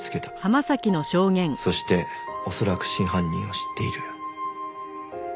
そして恐らく真犯人を知っている。